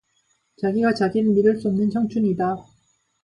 자기가 자기를 믿을 수 없는 청춘이다.